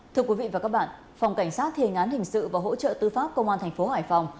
thưa quý vị và các bạn phòng cảnh sát thiên án hình sự và hỗ trợ tư pháp công an thành phố hải phòng